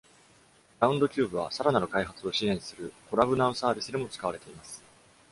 Roundcube はさらなる開発を支援する Kolab Now サービスでも使われています。